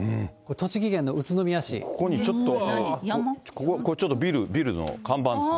これ、ここにちょっと、これちょっとビルの看板ですね。